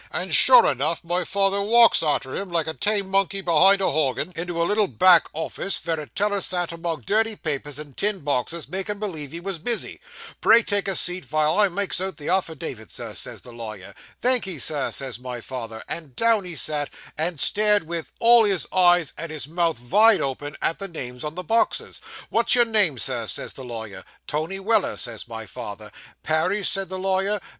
and sure enough my father walks arter him, like a tame monkey behind a horgan, into a little back office, vere a teller sat among dirty papers, and tin boxes, making believe he was busy. "Pray take a seat, vile I makes out the affidavit, Sir," says the lawyer. "Thank'ee, Sir," says my father, and down he sat, and stared with all his eyes, and his mouth vide open, at the names on the boxes. "What's your name, Sir," says the lawyer. "Tony Weller," says my father. "Parish?" says the lawyer.